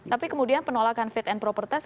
tapi kemudian penolakan fit and proper test